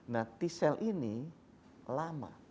nah t sel ini lama